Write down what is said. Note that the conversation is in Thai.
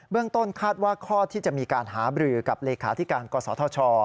ต้นคาดว่าข้อที่จะมีการหาบรือกับเลขาธิการกศธช